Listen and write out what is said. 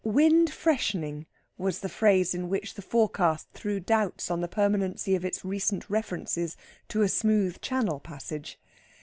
"Wind freshening," was the phrase in which the forecast threw doubts on the permanency of its recent references to a smooth Channel passage.